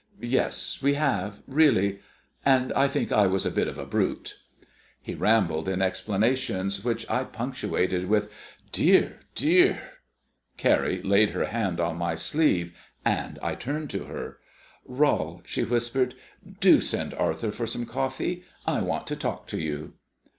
"Yes, we have, really; and I think I was a bit of a brute." He rambled in explanations, which I punctuated with "Dear, dear." Carrie laid her hand on my sleeve, and I turned to her. "Rol," she whispered, "do send Arthur for some coffee. I want to talk to you."